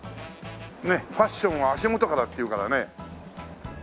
ファッションは足元からって言うからね。